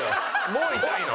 もう痛いの？